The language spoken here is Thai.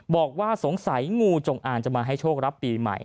บอกว่าสงสัยงูจงอางจะมาให้โชครับปีใหม่